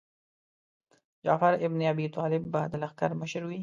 جعفر ابن ابي طالب به د لښکر مشر وي.